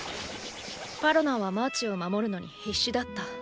パロナはマーチを守るのに必死だった。